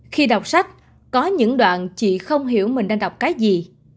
khi đọc sách có những đoạn chị không hiểu mình đang đọc cái gì